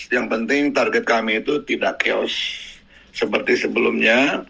yang penting target kami itu tidak chaos seperti sebelumnya